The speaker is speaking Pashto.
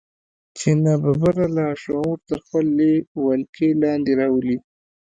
چې ناببره لاشعور تر خپلې ولکې لاندې راولي.